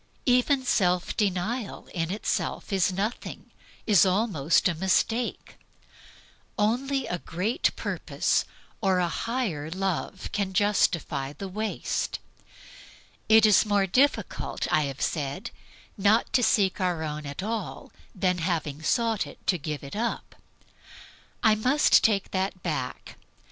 Even self denial in itself is nothing, is almost a mistake. Only a great purpose or a mightier love can justify the waste. It is more difficult, I have said, not to seek our own at all than, having sought it, to give it up. I must take that back.